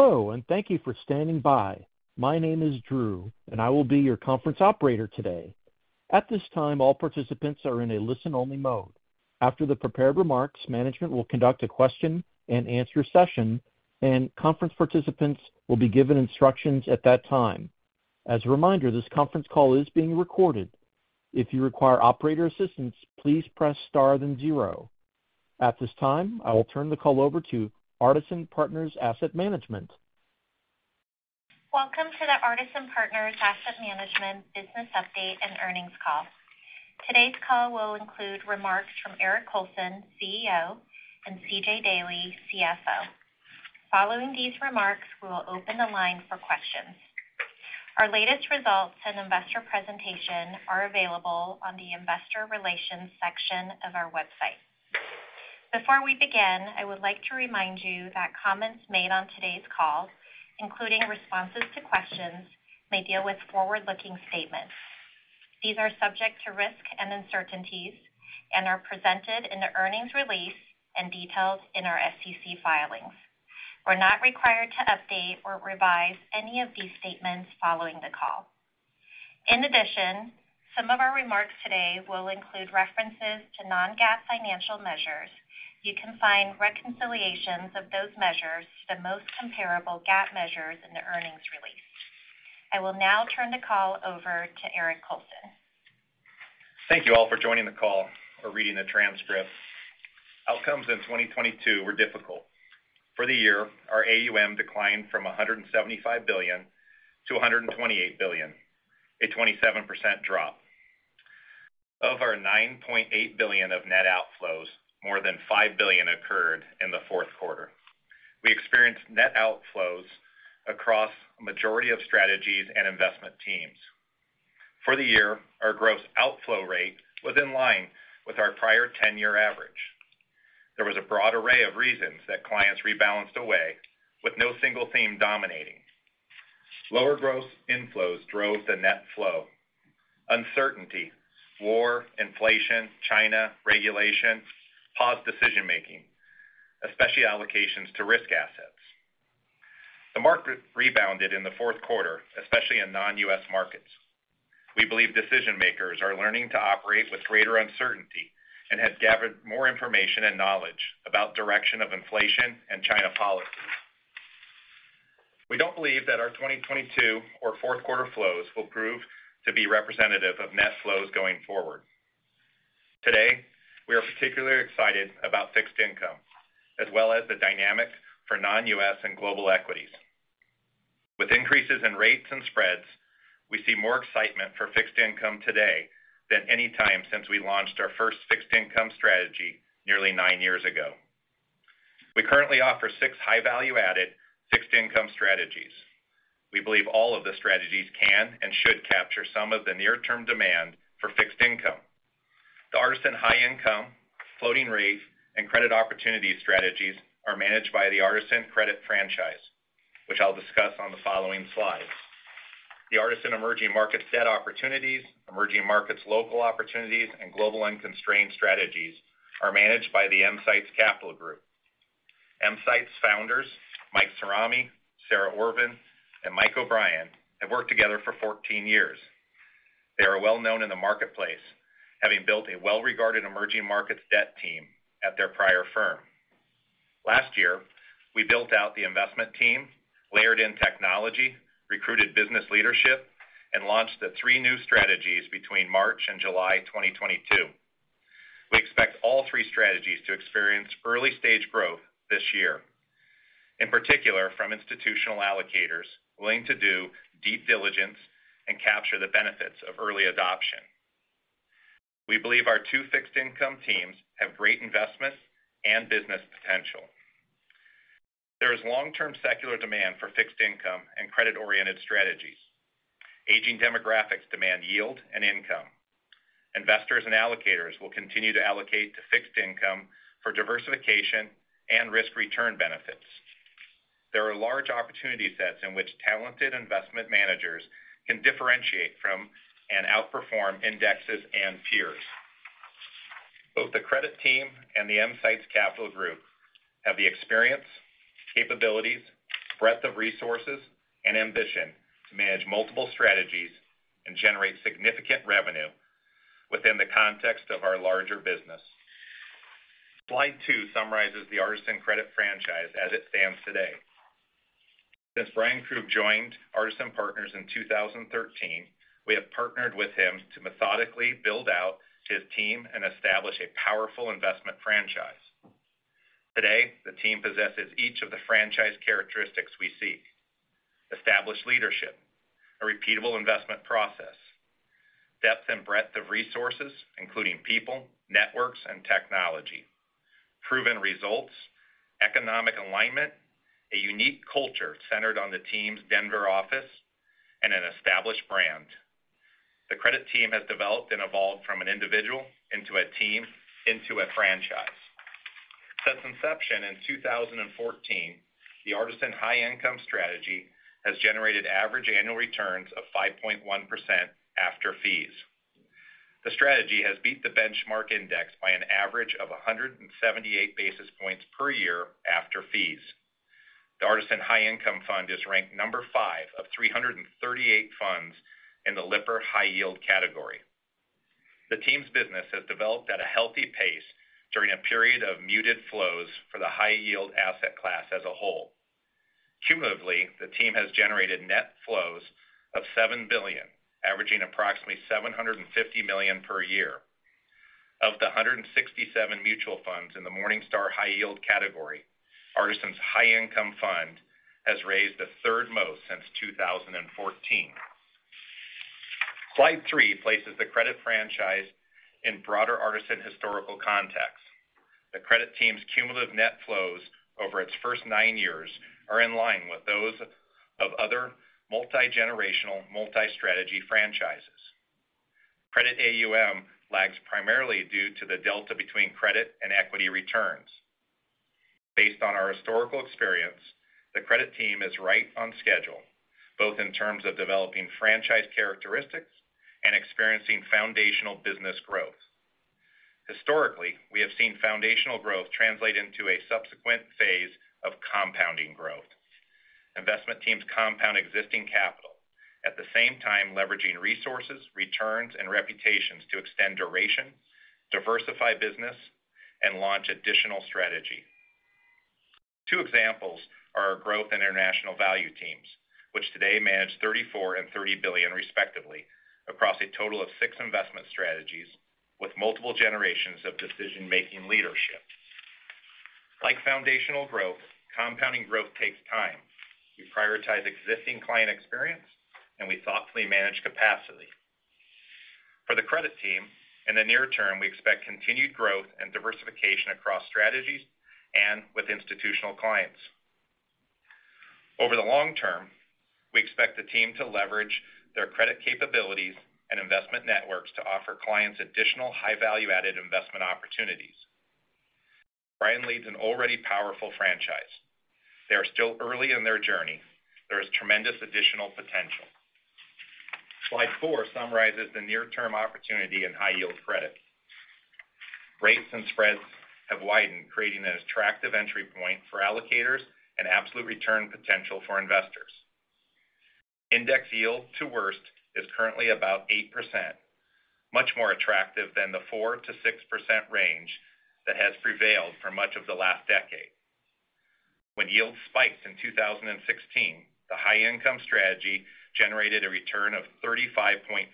Hello, thank you for standing by. My name is Drew, I will be your conference operator today. At this time, all participants are in a listen-only mode. After the prepared remarks, management will conduct a question and answer session, conference participants will be given instructions at that time. As a reminder, this conference call is being recorded. If you require operator assistance, please press star than zero. At this time, I will turn the call over to Artisan Partners Asset Management. Welcome to the Artisan Partners Asset Management Business Update and Earnings Call. Today's call will include remarks from Eric Colson, CEO, and C.J. Daley, CFO. Following these remarks, we will open the line for questions. Our latest results and investor presentation are available on the investor relations section of our website. Before we begin, I would like to remind you that comments made on today's call, including responses to questions, may deal with forward-looking statements. These are subject to risk and uncertainties. Are presented in the earnings release and details in our SEC filings. We're not required to update or revise any of these statements following the call. In addition, some of our remarks today will include references to non-GAAP financial measures. You can find reconciliations of those measures to the most comparable GAAP measures in the earnings release. I will now turn the call over to Eric Colson. Thank you all for joining the call or reading the transcript. Outcomes in 2022 were difficult. For the year, our AUM declined from $175 billion to $128 billion, a 27% drop. Of our $9.8 billion of net outflows, more than $5 billion occurred in the fourth quarter. We experienced net outflows across a majority of strategies and investment teams. For the year, our gross outflow rate was in line with our prior 10-year average. There was a broad array of reasons that clients rebalanced away with no single theme dominating. Lower gross inflows drove the net flow. Uncertainty, war, inflation, China, regulation, paused decision-making, especially allocations to risk assets. The market rebounded in the fourth quarter, especially in non-U.S. markets. We believe decision-makers are learning to operate with greater uncertainty and have gathered more information and knowledge about direction of inflation and China policy. We don't believe that our 2022 or fourth quarter flows will prove to be representative of net flows going forward. Today, we are particularly excited about fixed income, as well as the dynamic for non-U.S. and global equities. With increases in rates and spreads, we see more excitement for fixed income today than any time since we launched our first fixed income strategy nearly nine years ago. We currently offer six high-value-added fixed income strategies. We believe all of the strategies can and should capture some of the near-term demand for fixed income. The Artisan High Income, Floating Rate, and Credit Opportunities strategies are managed by the Artisan credit franchise, which I'll discuss on the following slides. The Artisan Emerging Markets Debt Opportunities, Emerging Markets Global Opportunities, and Global Unconstrained strategies are managed by the EMsights Capital Group. EMsights founders Mike Cerami, Sarah Orvin, and Mike O'Brien have worked together for 14 years. They are well-known in the marketplace, having built a well-regarded emerging markets debt team at their prior firm. Last year, we built out the investment team, layered in technology, recruited business leadership, and launched the three new strategies between March and July 2022. We expect all three strategies to experience early-stage growth this year. In particular, from institutional allocators willing to do deep diligence and capture the benefits of early adoption. We believe our two fixed income teams have great investment and business potential. There is long-term secular demand for fixed income and credit-oriented strategies. Aging demographics demand yield and income. Investors and allocators will continue to allocate to fixed income for diversification and risk-return benefits. There are large opportunity sets in which talented investment managers can differentiate from and outperform indexes and peers. Both the credit team and the EMsights Capital Group have the experience, capabilities, breadth of resources, and ambition to manage multiple strategies and generate significant revenue within the context of our larger business. Slide two summarizes the Artisan credit franchise as it stands today. Since Ryan Krug joined Artisan Partners in 2013, we have partnered with him to methodically build out his team and establish a powerful investment franchise. Today, the team possesses each of the franchise characteristics we see. Established leadership, a repeatable investment process, depth and breadth of resources, including people, networks, and technology. Proven results, economic alignment, a unique culture centered on the team's Denver office, and an established brand. The Credit Team has developed and evolved from an individual into a team into a franchise. Since inception in 2014, the Artisan High Income strategy has generated average annual returns of 5.1% after fees. The strategy has beat the benchmark index by an average of 178 basis points per year after fees. The Artisan High Income Fund is ranked number five of 338 funds in the Lipper High Yield category. The team's business has developed at a healthy pace during a period of muted flows for the high yield asset class as a whole. Cumulatively, the team has generated net flows of $7 billion, averaging approximately $750 million per year. Of the 167 mutual funds in the Morningstar high yield category, Artisan's High Income Fund has raised the third most since 2014. Slide three places the credit franchise in broader Artisan historical context. The Credit Team's cumulative net flows over its first nine years are in line with those of other multi-generational, multi-strategy franchises. Credit AUM lags primarily due to the delta between credit and equity returns. Based on our historical experience, the Credit Team is right on schedule, both in terms of developing franchise characteristics and experiencing foundational business growth. Historically, we have seen foundational growth translate into a subsequent phase of compounding growth. Investment teams compound existing capital, at the same time leveraging resources, returns, and reputations to extend duration, diversify business, and launch additional strategies. Two examples are our growth and international value teams, which today manage $34 billion and $30 billion respectively, across a total of six investment strategies with multiple generations of decision-making leadership. Like foundational growth, compounding growth takes time. We prioritize existing client experience and we thoughtfully manage capacity. For the Credit Team, in the near term, we expect continued growth and diversification across strategies and with institutional clients. Over the long term, we expect the team to leverage their credit capabilities and investment networks to offer clients additional high value-added investment opportunities. Ryan leads an already powerful franchise. They are still early in their journey. There is tremendous additional potential. Slide four summarizes the near-term opportunity in high yield credit. Rates and spreads have widened, creating an attractive entry point for allocators and absolute return potential for investors. Index yield to worst is currently about 8%, much more attractive than the 4% to 6% range that has prevailed for much of the last decade. When yields spiked in 2016, the High Income strategy generated a return of 35.4%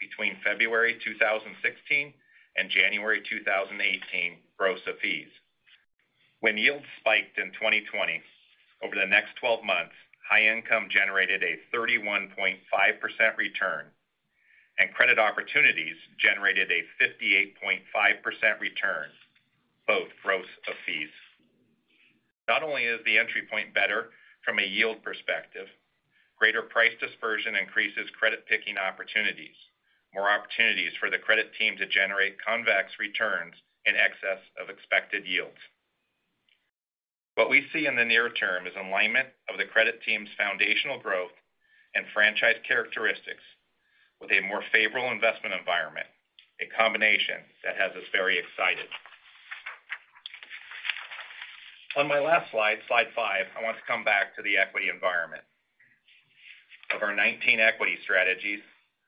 between February 2016 and January 2018 gross of fees. When yields spiked in 2020, over the next 12 months, High Income generated a 31.5% return, and Credit Opportunities generated a 58.5% return, both gross of fees. Not only is the entry point better from a yield perspective, greater price dispersion increases credit-picking opportunities, more opportunities for the Credit Team to generate convex returns in excess of expected yields. What we see in the near term is alignment of the Credit Team's foundational growth and franchise characteristics with a more favorable investment environment, a combination that has us very excited. On my last Slide five, I want to come back to the equity environment. Of our 19 equity strategies,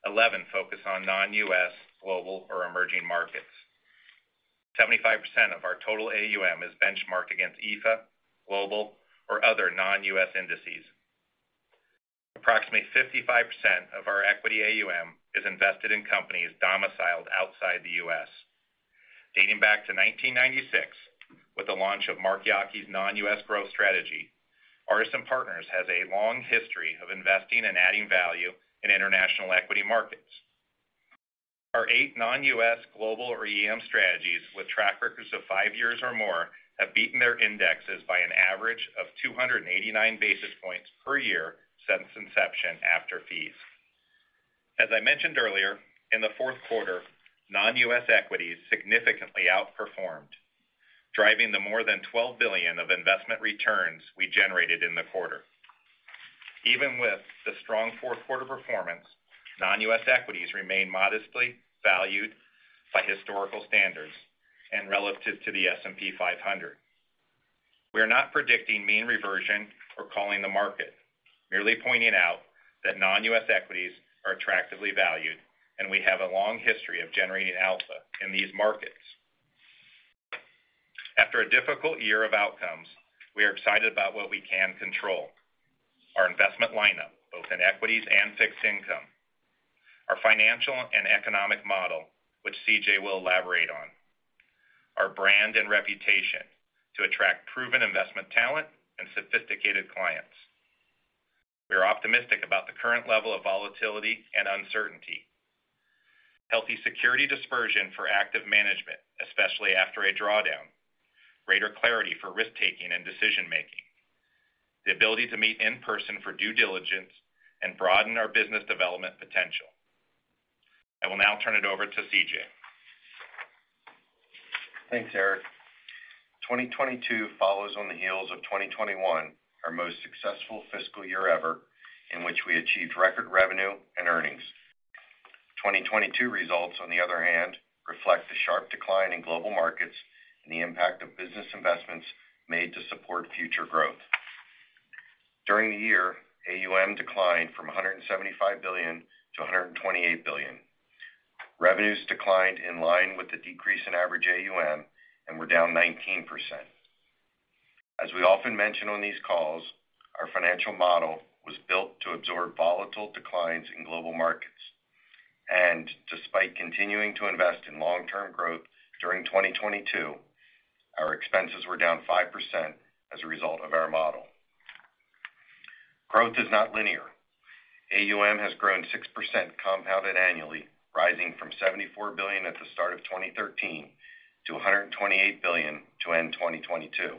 11 focus on non-U.S., global or emerging markets. 75% of our total AUM is benchmarked against EAFE, global or other non-U.S. indices. Approximately 55% of our equity AUM is invested in companies domiciled outside the U.S. Dating back to 1996, with the launch of Mark Yockey's non-U.S. growth strategy, Artisan Partners has a long history of investing and adding value in international equity markets. Our eight non-U.S. global or EM strategies with track records of five years or more have beaten their indexes by an average of 289 basis points per year since inception after fees. As I mentioned earlier, in the fourth quarter, non-U.S. equities significantly outperformed, driving the more than $12 billion of investment returns we generated in the quarter. Even with the strong fourth quarter performance, non-U.S. equities remain modestly valued by historical standards and relative to the S&P 500. We are not predicting mean reversion or calling the market, merely pointing out that non-U.S. equities are attractively valued. We have a long history of generating alpha in these markets. After a difficult year of outcomes, we are excited about what we can control. Our investment lineup, both in equities and fixed income. Our financial and economic model, which C.J. will elaborate on. Our brand and reputation to attract proven investment talent and sophisticated clients. We are optimistic about the current level of volatility and uncertainty. Healthy security dispersion for active management, especially after a drawdown. Greater clarity for risk-taking and decision-making. The ability to meet in person for due diligence and broaden our business development potential. I will now turn it over to C.J. Thanks, Eric. 2022 follows on the heels of 2021, our most successful fiscal year ever, in which we achieved record revenue and earnings. 2022 results, on the other hand, reflect the sharp decline in global markets and the impact of business investments made to support future growth. During the year, AUM declined from $175 billion to $128 billion. Revenues declined in line with the decrease in average AUM and were down 19%. As we often mention on these calls, our financial model was built to absorb volatile declines in global markets. Despite continuing to invest in long-term growth during 2022, our expenses were down 5% as a result of our model. Growth is not linear. AUM has grown 6% compounded annually, rising from $74 billion at the start of 2013 to $128 billion to end 2022.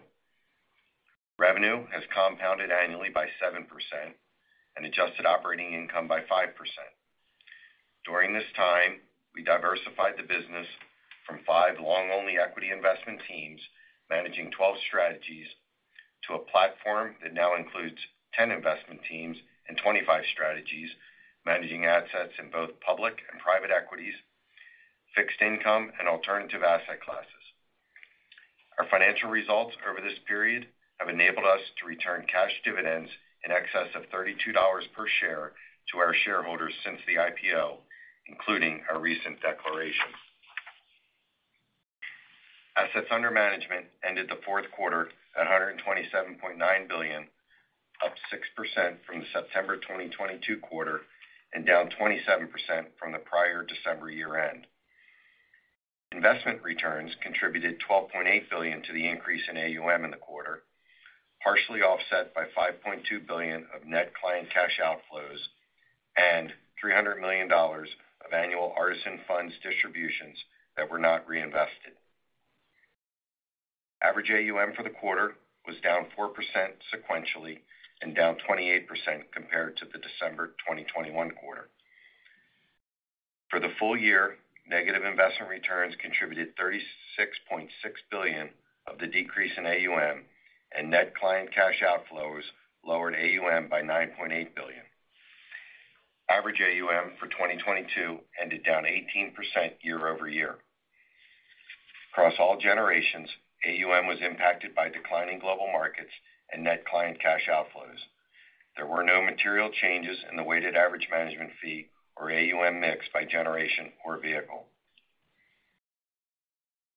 Revenue has compounded annually by 7% and adjusted operating income by 5%. During this time, we diversified the business from five long-only equity investment teams managing 12 strategies to a platform that now includes 10 investment teams and 25 strategies, managing assets in both public and private equities, fixed income, and alternative asset classes. Our financial results over this period have enabled us to return cash dividends in excess of $32 per share to our shareholders since the IPO, including our recent declaration. Assets under management ended the fourth quarter at $127.9 billion, up 6% from the September 2022 quarter and down 27% from the prior December year end. Investment returns contributed $12.8 billion to the increase in AUM in the quarter, partially offset by $5.2 billion of net client cash outflows and $300 million of annual Artisan Funds distributions that were not reinvested. Average AUM for the quarter was down 4% sequentially and down 28% compared to the December 2021 quarter. For the full year, negative investment returns contributed $36.6 billion of the decrease in AUM, and net client cash outflows lowered AUM by $9.8 billion. Average AUM for 2022 ended down 18% year-over-year. Across all generations, AUM was impacted by declining global markets and net client cash outflows. There were no material changes in the weighted average management fee or AUM mix by generation or vehicle.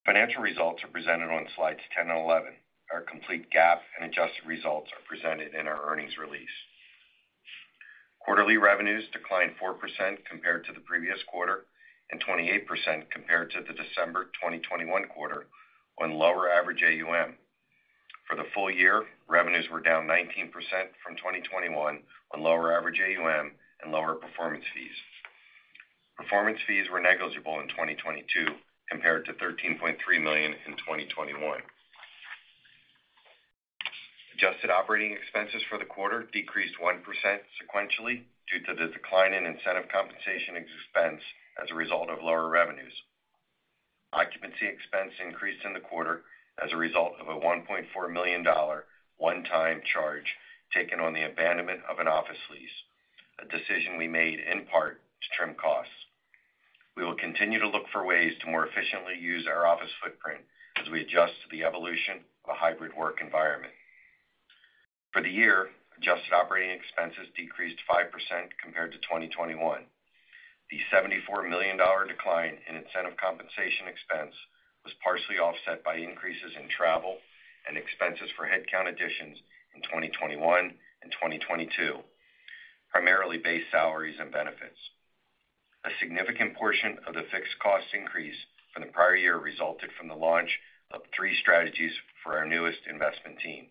Financial results are presented on Slides 10 and 11. Our complete GAAP and adjusted results are presented in our earnings release. Quarterly revenues declined 4% compared to the previous quarter and 28% compared to the December 2021 quarter on lower average AUM. For the full year, revenues were down 19% from 2021 on lower average AUM and lower performance fees. Performance fees were negligible in 2022 compared to $13.3 million in 2021. Adjusted operating expenses for the quarter decreased 1% sequentially due to the decline in incentive compensation expense as a result of lower revenues. Occupancy expense increased in the quarter as a result of a $1.4 million one-time charge taken on the abandonment of an office lease, a decision we made in part to trim costs. We will continue to look for ways to more efficiently use our office footprint as we adjust to the evolution of a hybrid work environment. For the year, adjusted operating expenses decreased 5% compared to 2021. The $74 million decline in incentive compensation expense was partially offset by increases in travel and expenses for headcount additions in 2021 and 2022, primarily base salaries and benefits. A significant portion of the fixed cost increase from the prior year resulted from the launch of 3 strategies for our newest investment team.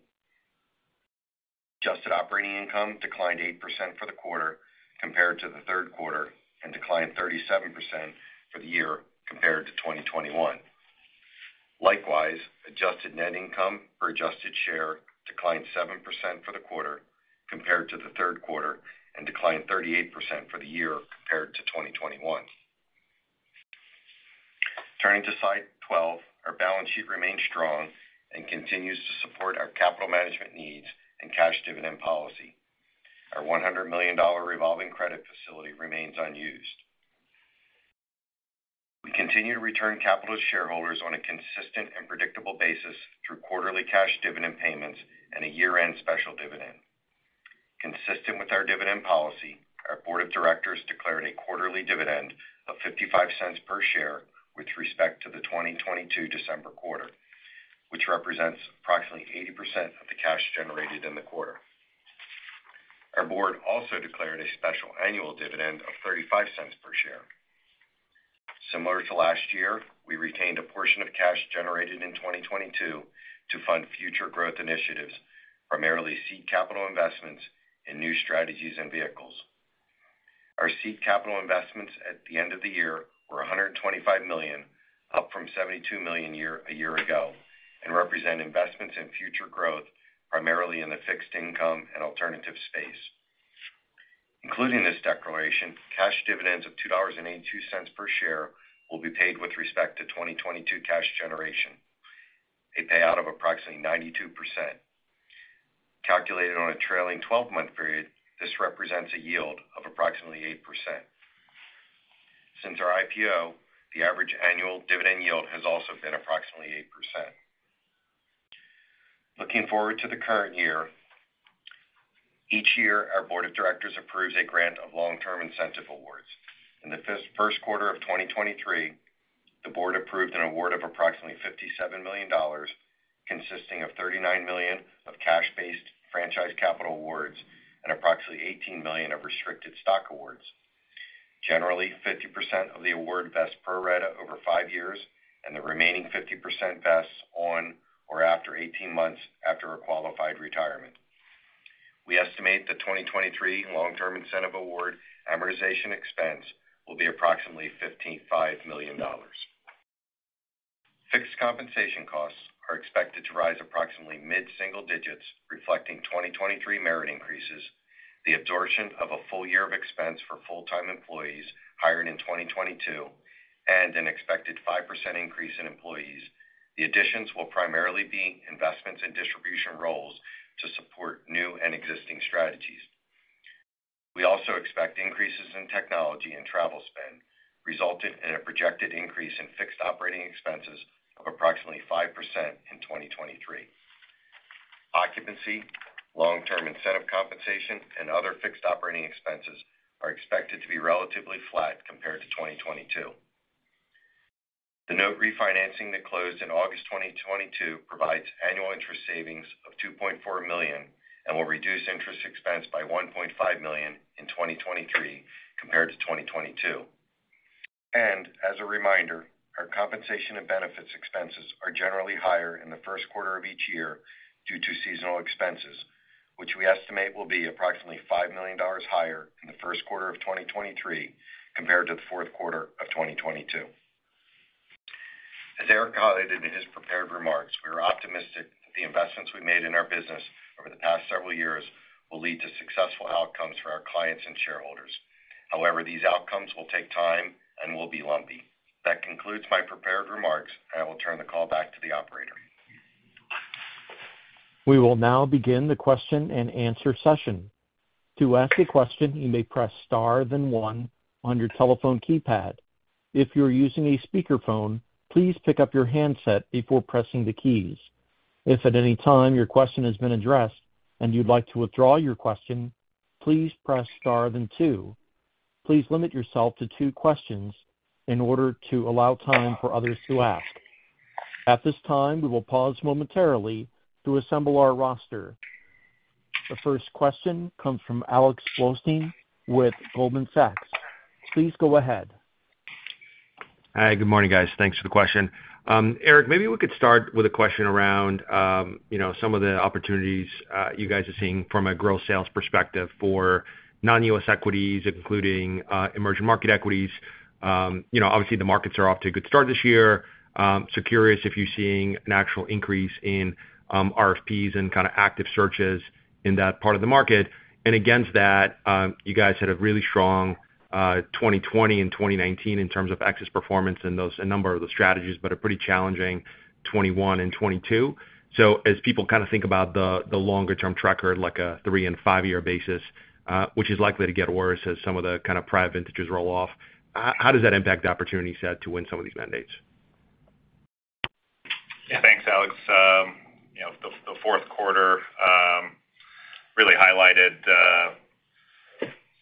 Adjusted operating income declined 8% for the quarter compared to the third quarter and declined 37% for the year compared to 2021. Likewise, adjusted net income per adjusted share declined 7% for the quarter compared to the third quarter and declined 38% for the year compared to 2021. Turning to Slide 12, our balance sheet remains strong and continues to support our capital management needs and cash dividend policy. Our $100 million revolving credit facility remains unused. We continue to return capital to shareholders on a consistent and predictable basis through quarterly cash dividend payments and a year-end special dividend. Consistent with our dividend policy, our board of directors declared a quarterly dividend of $0.55 per share with respect to the 2022 December quarter, which represents approximately 80% of the cash generated in the quarter. Our board also declared a special annual dividend of $0.35 per share. Similar to last year, we retained a portion of cash generated in 2022 to fund future growth initiatives, primarily seed capital investments in new strategies and vehicles. Our seed capital investments at the end of the year were $125 million, up from $72 million a year ago, and represent investments in future growth, primarily in the fixed income and alternative space. Including this declaration, cash dividends of $2.82 per share will be paid with respect to 2022 cash generation, a payout of approximately 92%. Calculated on a trailing 12-month period, this represents a yield of approximately 8%. Since our IPO, the average annual dividend yield has also been approximately 8%. Looking forward to the current year, each year, our board of directors approves a grant of long-term incentive awards. In the first quarter of 2023, the board approved an award of approximately $57 million, consisting of $39 million of cash-based franchise capital awards and approximately $18 million of restricted stock awards. Generally, 50% of the award vests pro rata over five years, and the remaining 50% vests on or after 18 months after a qualified retirement. We estimate the 2023 long-term incentive award amortization expense will be approximately $15.5 million. Fixed compensation costs are expected to rise approximately mid-single digits, reflecting 2023 merit increases, the absorption of a full year of expense for full-time employees hired in 2022, and an expected 5% increase in employees. The additions will primarily be investments in distribution roles to support new and existing strategies. We also expect increases in technology and travel spend resulted in a projected increase in fixed operating expenses of approximately 5% in 2023. Occupancy, long-term incentive compensation, and other fixed operating expenses are expected to be relatively flat compared to 2022. The note refinancing that closed in August 2022 provides annual interest savings of $2.4 million and will reduce interest expense by $1.5 million in 2023 compared to 2022. As a reminder, our compensation and benefits expenses are generally higher in the first quarter of each year due to seasonal expenses, which we estimate will be approximately $5 million higher in the first quarter of 2023 compared to the fourth quarter of 2022. As Eric highlighted in his prepared remarks, we are optimistic that the investments we made in our business over the past several years will lead to successful outcomes for our clients and shareholders. However, these outcomes will take time and will be lumpy. That concludes my prepared remarks, and I will turn the call back to the operator. We will now begin the question-and-answer session. To ask a question, you may press star then one on your telephone keypad. If you're using a speakerphone, please pick up your handset before pressing the keys. If at any time your question has been addressed and you'd like to withdraw your question, please press star then two. Please limit yourself to two questions in order to allow time for others to ask. At this time, we will pause momentarily to assemble our roster. The first question comes from Alex Blostein with Goldman Sachs. Please go ahead. Hi. Good morning, guys. Thanks for the question. Eric, maybe we could start with a question around, you know, some of the opportunities, you guys are seeing from a growth sales perspective for non-U.S. equities, including emerging market equities. You know, obviously, the markets are off to a good start this year. Curious if you're seeing an actual increase in RFPs and kind of active searches in that part of the market. Against that, you guys had a really strong, 2020 and 2019 in terms of excess performance in a number of those strategies, but a pretty challenging 2021 and 2022. As people kind of think about the longer term tracker, like a three- and five-year basis, which is likely to get worse as some of the kind of private vintages roll off, how does that impact the opportunity set to win some of these mandates? Yeah. Thanks, Alex. you know, the fourth quarter really highlighted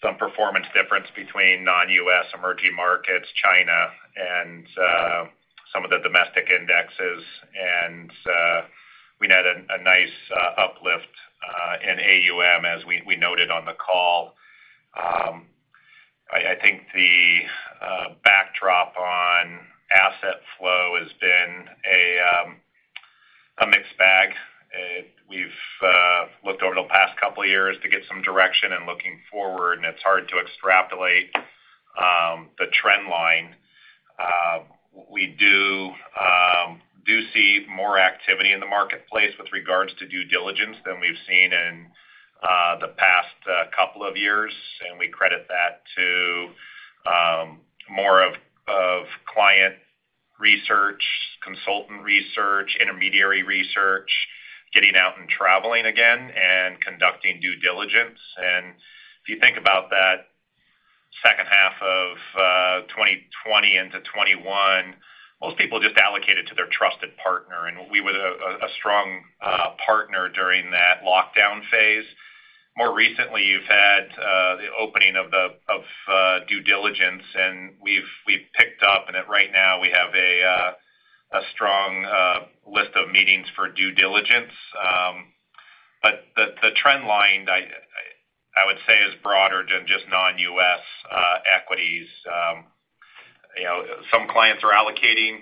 some performance difference between non-U.S. emerging markets, China, and some of the domestic indexes. We had a nice uplift in AUM, as we noted on the call. I think the backdrop on asset flow has been a mixed bag. We've looked over the past couple of years to get some direction and looking forward, and it's hard to extrapolate the trend line. We do see more activity in the marketplace with regards to due diligence than we've seen in the past couple of years, and we credit that to more of client research, consultant research, intermediary research, getting out and traveling again and conducting due diligence. If you think about that second half of 2020 into 2021, most people just allocated to their trusted partner, and we were a strong partner during that lockdown phase. More recently, you've had the opening of due diligence, and we've picked up, and at right now, we have a strong list of meetings for due diligence. The trend line I would say is broader than just non-U.S. equities. You know, some clients are allocating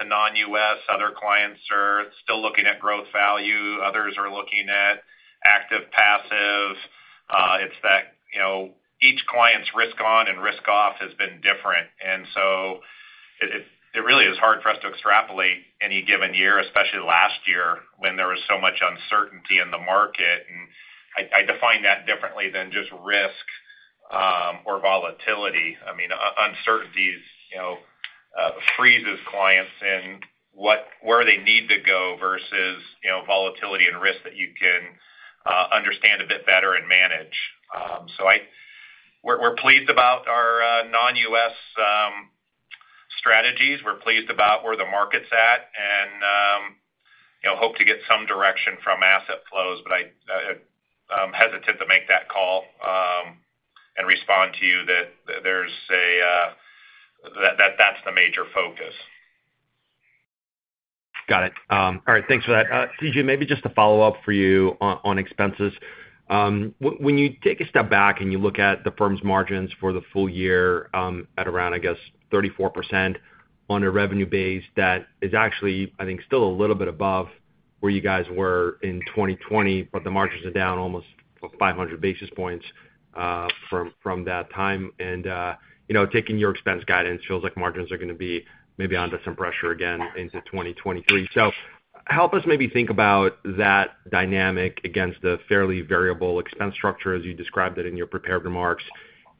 to non-US. Other clients are still looking at growth value. Others are looking at active, passive. It's that, you know, each client's risk on and risk off has been different. It really is hard for us to extrapolate any given year, especially last year when there was so much uncertainty in the market. I define that differently than just risk, or volatility. I mean, uncertainties, you know, freezes clients where they need to go versus, you know, volatility and risk that you can understand a bit better and manage. We're pleased about our non-U.S. strategies. We're pleased about where the market's at, and, you know, hope to get some direction from asset flows. I hesitant to make that call, and respond to you that there's a, that's the major focus. Got it. All right, thanks for that. C.J., maybe just a follow-up for you on expenses. When you take a step back and you look at the firm's margins for the full year, at around, I guess, 34% on a revenue base that is actually, I think, still a little bit above where you guys were in 2020, but the margins are down almost 500 basis points from that time. You know, taking your expense guidance feels like margins are gonna be maybe under some pressure again into 2023. Help us maybe think about that dynamic against the fairly variable expense structure as you described it in your prepared remarks,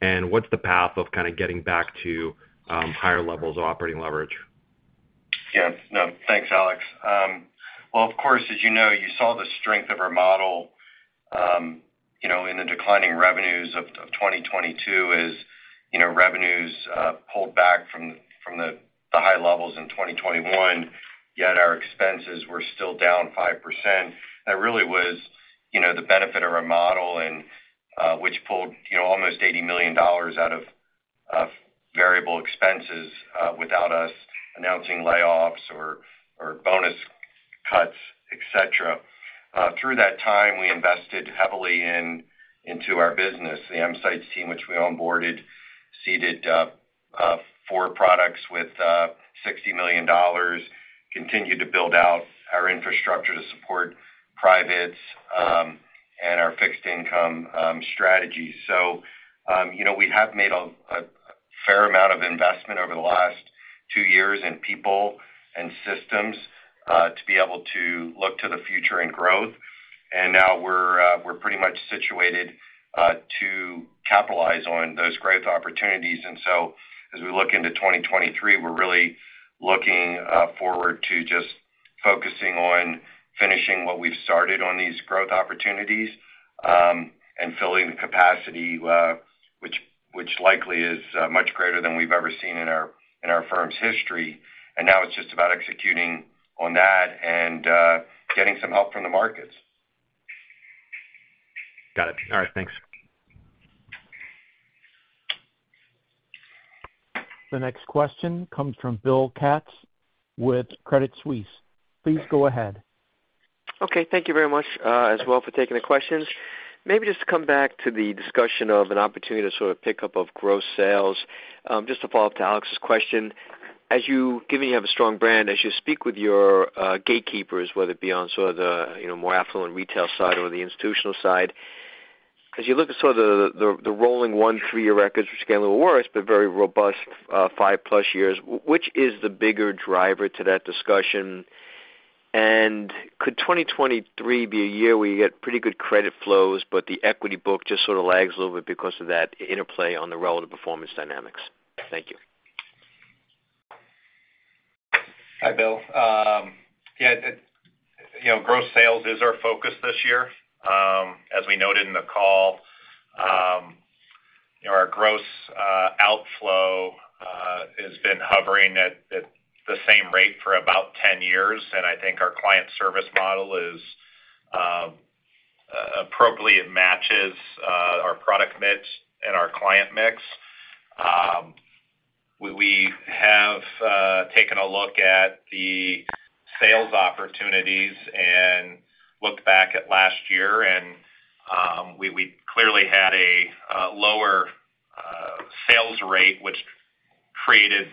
and what's the path of kind of getting back to higher levels of operating leverage? Yes. No. Thanks, Alex. Well, of course, as you know, you saw the strength of our model, you know, in the declining revenues of 2022 as, you know, revenues pulled back from the high levels in 2021, yet our expenses were still down 5%. That really was, you know, the benefit of our model and which pulled, you know, almost $80 million out of variable expenses without us announcing layoffs or bonus cuts, et cetera. Through that time, we invested heavily into our business. The EMsights team, which we onboarded, seeded four products with $60 million, continued to build out our infrastructure to support privates and our fixed income strategies. You know, we have made a fair amount of investment over the last two years in people and systems, to be able to look to the future in growth. We're, we're pretty much situated, to capitalize on those growth opportunities. As we look into 2023, we're really looking, forward to just focusing on finishing what we've started on these growth opportunities, and filling the capacity, which likely is, much greater than we've ever seen in our, in our firm's history. It's just about executing on that and, getting some help from the markets. Got it. All right. Thanks. The next question comes from Bill Katz with Credit Suisse. Please go ahead. Thank you very much, as well for taking the questions. Maybe just to come back to the discussion of an opportunity to sort of pick up of gross sales, just to follow up to Alex's question. Given you have a strong brand, as you speak with your gatekeepers, whether it be on sort of the, you know, more affluent retail side or the institutional side, as you look at sort of the one-three-year records, which are getting a little worse, but very robust five plus years, which is the bigger driver to that discussion? Could 2023 be a year where you get pretty good credit flows, but the equity book just sort of lags a little bit because of that interplay on the relative performance dynamics? Thank you. Hi, Bill. Yeah, the, you know, gross sales is our focus this year. As we noted in the call, you know, our gross outflow has been hovering at the same rate for about 10 years, and I think our client service model is appropriately it matches our product mix and our client mix. We have taken a look at the sales opportunities and looked back at last year and we clearly had a lower sales rate, which created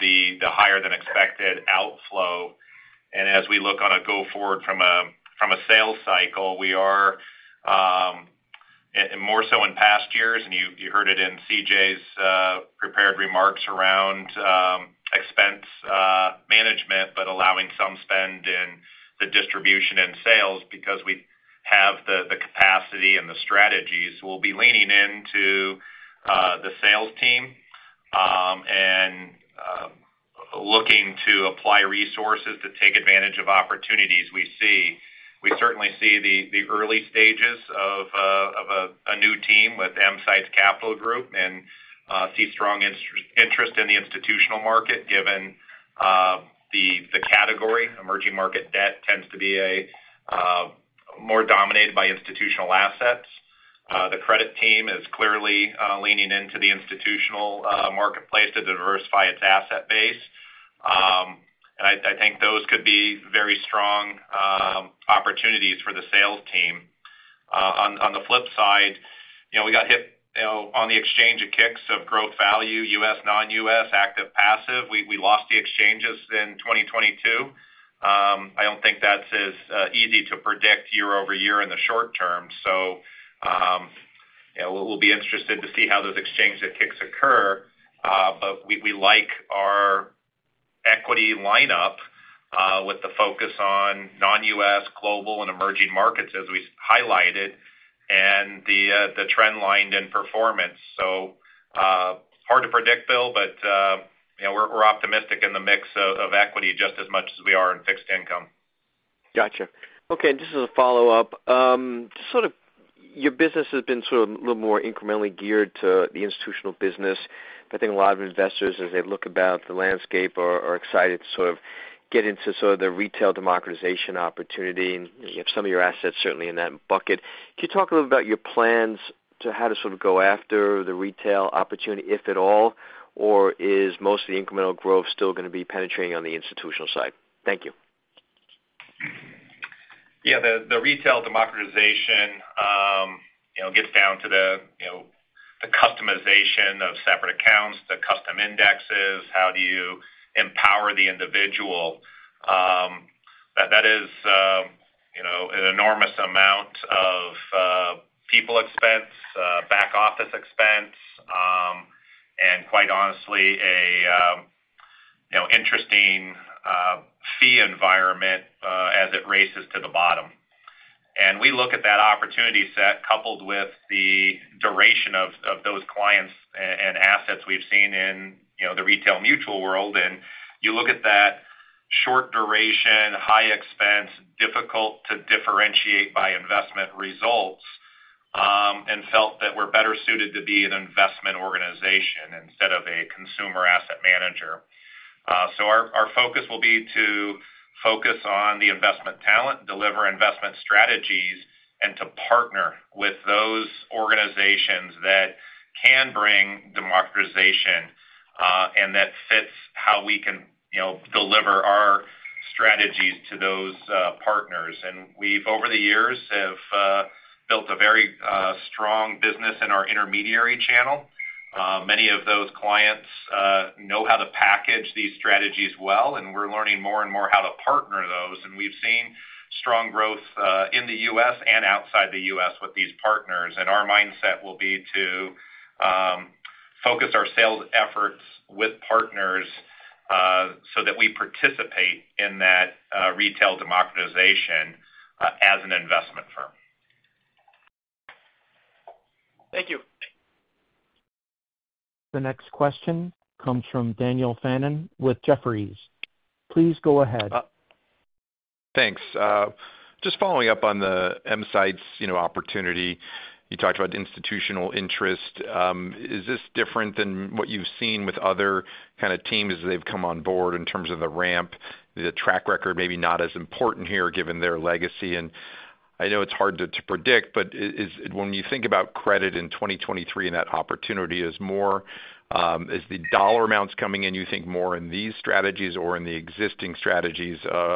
the higher than expected outflow. As we look on a go forward from a sales cycle, we are, and more so in past years, and you heard it in C.J.'s prepared remarks around expense management, but allowing some spend in the distribution and sales because we have the capacity and the strategies, we'll be leaning into the sales team, and looking to apply resources to take advantage of opportunities we see. We certainly see the early stages of a new team with EMsights Capital Group and see strong interest in the institutional market, given the category. Emerging Markets debt tends to be a more dominated by institutional assets. The Credit Team is clearly leaning into the institutional marketplace to diversify its asset base. I think those could be very strong opportunities for the sales team. On the flip side, you know, we got hit, you know, on the exchange of kicks of growth value, U.S., non-U.S., active, passive. We lost the exchanges in 2022. I don't think that's as easy to predict year-over-year in the short term. You know, we'll be interested to see how those exchange ticks occur. We like our equity lineup with the focus on non-U.S. global and emerging markets as we highlighted, and the trend lined in performance. Hard to predict, Bill, but, you know, we're optimistic in the mix of equity just as much as we are in fixed income. Gotcha. Okay, just as a follow-up. Sort of your business has been sort of a little more incrementally geared to the institutional business. I think a lot of investors, as they look about the landscape, are excited to sort of get into sort of the retail democratization opportunity, and you have some of your assets certainly in that bucket. Could you talk a little about your plans to how to sort of go after the retail opportunity, if at all? Is most of the incremental growth still gonna be penetrating on the institutional side? Thank you. Yeah, the retail democratization, you know, gets down to the, you know, the customization of separate accounts, the custom indexes. How do you empower the individual? That is, you know, an enormous amount of people expense, back office expense, and quite honestly, a, you know, interesting fee environment, as it races to the bottom. We look at that opportunity set coupled with the duration of those clients and assets we've seen in, you know, the retail mutual world. You look at that short duration, high expense, difficult to differentiate by investment results, and felt that we're better suited to be an investment organization instead of a consumer asset manager. Our focus will be to focus on the investment talent, deliver investment strategies, to partner with those organizations that can bring democratization, that fits how we can, you know, deliver our strategies to those partners. We've, over the years, have built a very strong business in our intermediary channel. Many of those clients know how to package these strategies well, we're learning more and more how to partner those. We've seen strong growth in the U.S. and outside the U.S. with these partners. Our mindset will be to focus our sales efforts with partners that we participate in that retail democratization as an investment firm. Thank you. The next question comes from Daniel Fannon with Jefferies. Please go ahead. Thanks. Just following up on the Emsights, you know, opportunity. You talked about institutional interest. Is this different than what you've seen with other kind of teams as they've come on board in terms of the ramp? The track record maybe not as important here given their legacy. I know it's hard to predict, but when you think about credit in 2023, and that opportunity is more, is the dollar amounts coming in you think more in these strategies or in the existing strategies, of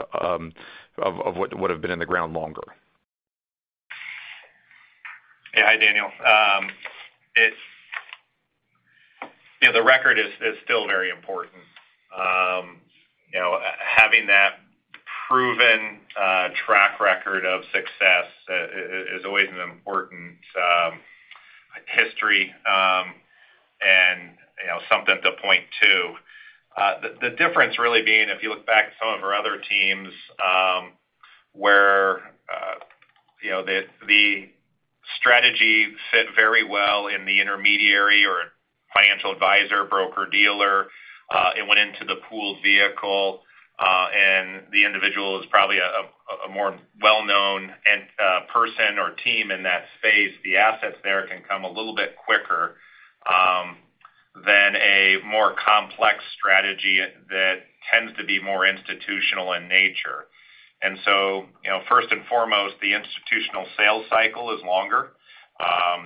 what have been in the ground longer? Yeah. Hi, Daniel. You know, the record is still very important. You know, having that proven track record of success, is always an important history, and, you know, something to point to. The difference really being, if you look back at some of our other teams, where, you know, the strategy fit very well in the intermediary or financial advisor, broker-dealer, it went into the pooled vehicle, and the individual is probably a more well-known person or team in that space. The assets there can come a little bit quicker than a more complex strategy that tends to be more institutional in nature. You know, first and foremost, the institutional sales cycle is longer.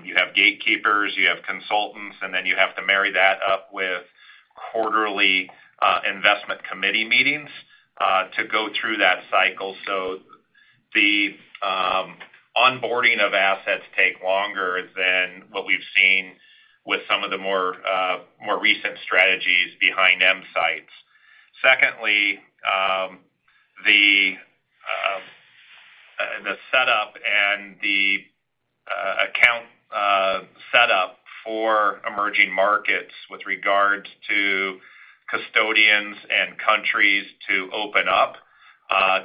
You have gatekeepers, you have consultants, you have to marry that up with quarterly investment committee meetings to go through that cycle. The onboarding of assets take longer than what we've seen with some of the more recent strategies behind EMsigh. Secondly, the setup and the account setup for emerging markets with regard to custodians and countries to open up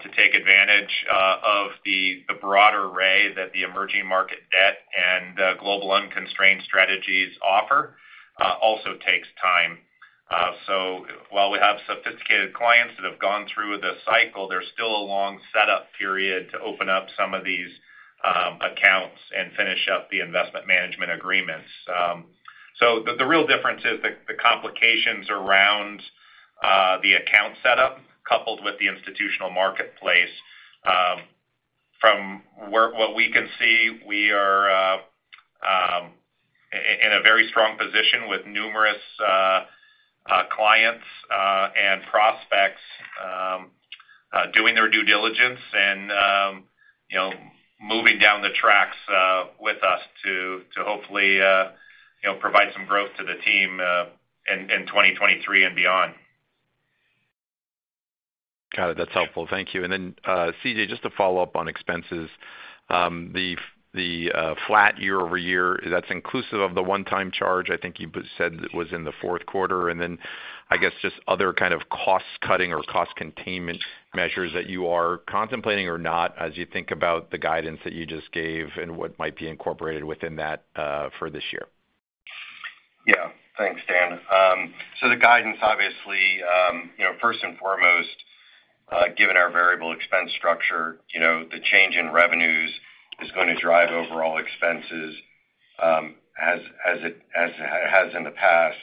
to take advantage of the broad array that the emerging market debt and the Global Unconstrained strategies offer also takes time. While we have sophisticated clients that have gone through the cycle, there's still a long setup period to open up some of these accounts and finish up the investment management agreements. The real difference is the complications around the account setup coupled with the institutional marketplace. What we can see, we are in a very strong position with numerous clients and prospects doing their due diligence and, you know, moving down the tracks with us to hopefully, you know, provide some growth to the team in 2023 and beyond. Got it. That's helpful. Thank you. Then, C.J. Daley, just to follow up on expenses, the flat year-over-year, that's inclusive of the one-time charge, I think you said it was in the fourth quarter, and then I guess just other kind of cost-cutting or cost containment measures that you are contemplating or not as you think about the guidance that you just gave and what might be incorporated within that for this year. Thanks, Dan. The guidance, obviously, you know, first and foremost, given our variable expense structure, you know, the change in revenues is gonna drive overall expenses, as it has in the past.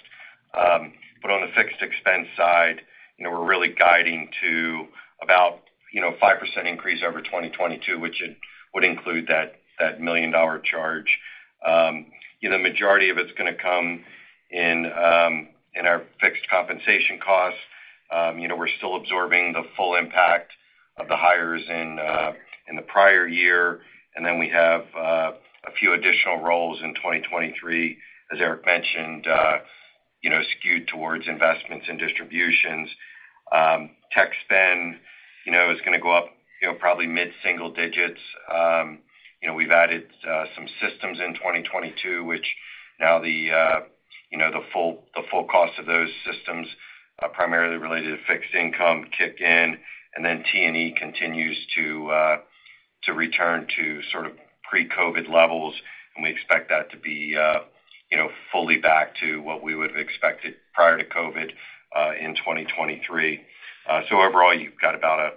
On the fixed expense side, you know, we're really guiding to about, you know, 5% increase over 2022, which it would include that $1 million charge. You know, the majority of it's gonna come in our fixed compensation costs. You know, we're still absorbing the full impact of the hires in the prior year, and then we have, a few additional roles in 2023, as Eric mentioned, you know, skewed towards investments and distributions. Tech spend, you know, is gonna go up, you know, probably mid-single digits. You know, we've added, some systems in 2022, which now the, you know, the full cost of those systems, primarily related to fixed income kick in, and then T&E continues to return to sort of pre-COVID levels, and we expect that to be, you know, fully back to what we would have expected prior to COVID, in 2023. Overall, you've got about a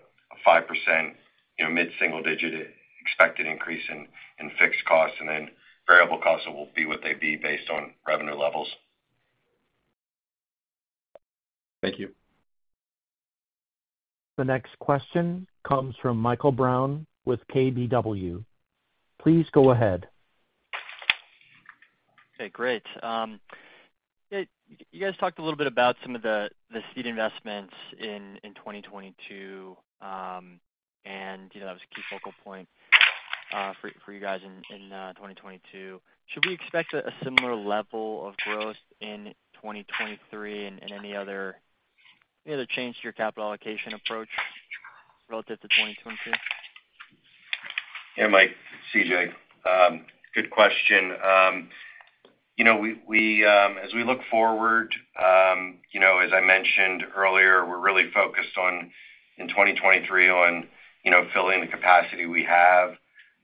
5%, you know, mid-single digit expected increase in fixed costs, and then variable costs will be what they be based on revenue levels. Thank you. The next question comes from Michael Brown with KBW. Please go ahead. Okay, great. You guys talked a little bit about some of the seed investments in 2022, you know, that was a key focal point for you guys in 2022. Should we expect a similar level of growth in 2023 and any other change to your capital allocation approach relative to 2022? Yeah, Mike. It's CJ. Good question. You know, we, as we look forward, you know, as I mentioned earlier, we're really focused on, in 2023 on, you know, filling the capacity we have.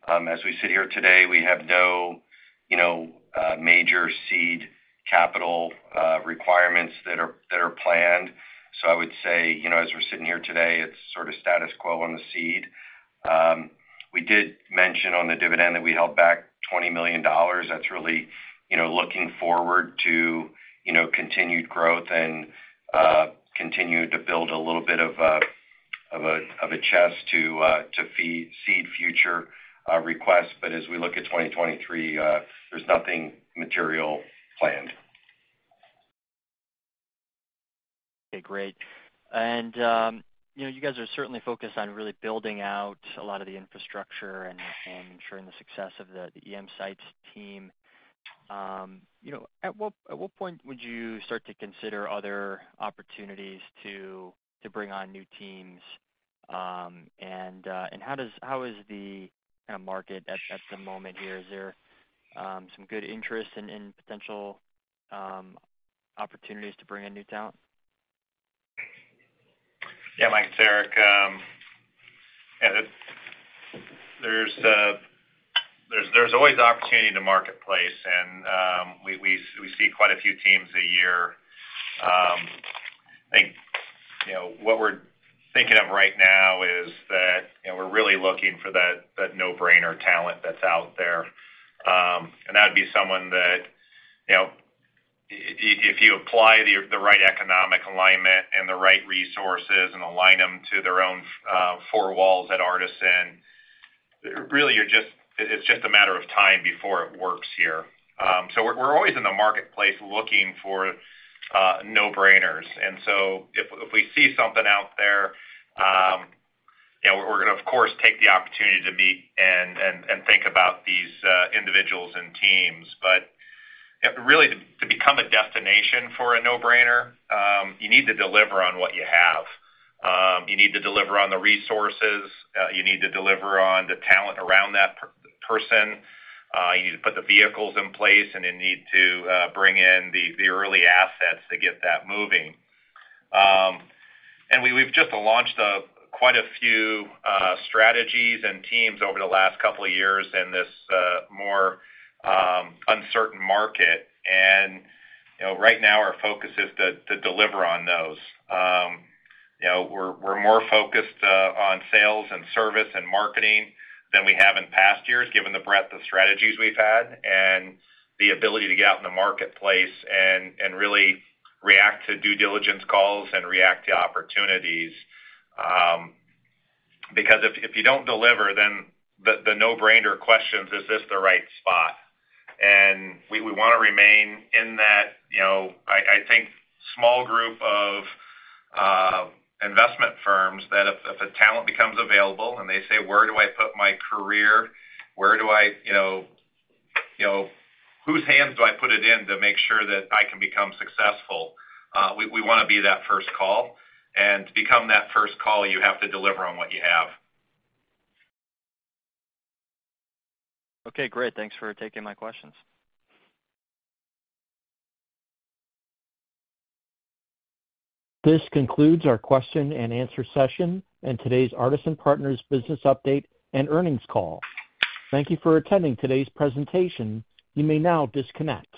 As we sit here today, we have no, you know, major seed capital requirements that are, that are planned. I would say, you know, as we're sitting here today, it's sort of status quo on the seed. We did mention on the dividend that we held back $20 million. That's really, you know, looking forward to, you know, continued growth and continue to build a little bit of a chest to seed future requests. As we look at 2023, there's nothing material planned. Okay, great. You know, you guys are certainly focused on really building out a lot of the infrastructure and ensuring the success of the EMsights team. You know, at what point would you start to consider other opportunities to bring on new teams? And how is the kind of market at the moment here? Is there some good interest in potential opportunities to bring in new talent? Yeah, Mike, it's Eric. Yeah, there's always opportunity in the marketplace, and we see quite a few teams a year. I think, you know, what we're thinking of right now is that, you know, we're really looking for that no-brainer talent that's out there. That would be someone that, you know, if you apply the right economic alignment and the right resources and align them to their own four walls at Artisan, really it's just a matter of time before it works here. We're always in the marketplace looking for no-brainers. If we see something out there, you know, we're gonna, of course, take the opportunity to meet and think about these individuals and teams. Yeah, really to become a destination for a no-brainer, you need to deliver on what you have. You need to deliver on the resources. You need to deliver on the talent around that per-person. You put the vehicles in place, and you need to bring in the early assets to get that moving. We've just launched quite a few strategies and teams over the last couple of years in this more uncertain market. You know, right now our focus is to deliver on those. You know, we're more focused on sales and service and marketing than we have in past years, given the breadth of strategies we've had and the ability to get out in the marketplace and really react to due diligence calls and react to opportunities. Because if you don't deliver, then the no-brainer question is this the right spot? We wanna remain in that, you know, I think small group of investment firms that if a talent becomes available and they say, "Where do I put my career? Where do I, you know, Whose hands do I put it in to make sure that I can become successful?" We wanna be that first call. To become that first call, you have to deliver on what you have. Okay, great. Thanks for taking my questions. This concludes our question-and-answer session and today's Artisan Partners business update and earnings call. Thank you for attending today's presentation. You may now disconnect.